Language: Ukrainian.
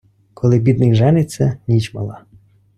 Коли бідний жениться, ніч мала.